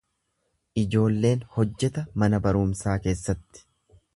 Ijoolleen hojjeta mana barumsaa keessatti.